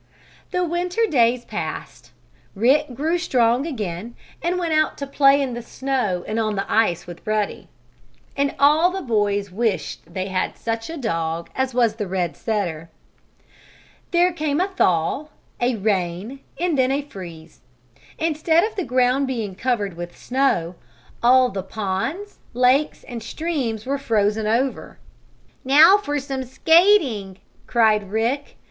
The winter days passed. Rick grew strong again and went out to play in the snow and on the ice with Ruddy. And all the boys wished they had such a dog as was the red setter. There came a thaw, a rain and then a freeze. Instead of the ground being covered with snow, all the ponds, lakes and streams were frozen over. "Now for some skating!" cried Rick.